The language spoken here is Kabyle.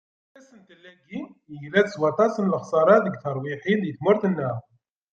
Asentel-agi, yegla-d s waṭas n lexsarat deg terwiḥin di tmurt-nneɣ.